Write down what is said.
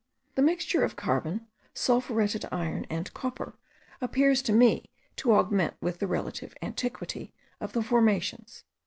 The mixture of carbon, sulphuretted iron, and copper, appears to me to augment with the relative antiquity of the formations.)